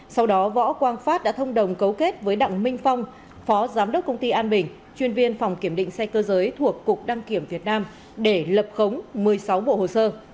sau đó võ quang phát đã thông đồng cấu kết với đặng minh phong phó giám đốc công ty an bình chuyên viên phòng kiểm định xe cơ giới thuộc cục đăng kiểm việt nam để lập khống một mươi sáu bộ hồ sơ